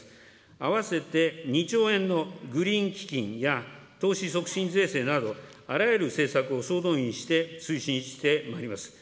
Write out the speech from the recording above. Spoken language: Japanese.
併せて２兆円のグリーン基金や投資促進税制など、あらゆる政策を総動員して推進してまいります。